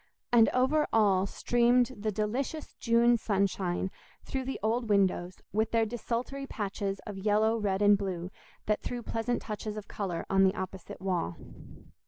And over all streamed the delicious June sunshine through the old windows, with their desultory patches of yellow, red, and blue, that threw pleasant touches of colour on the opposite wall.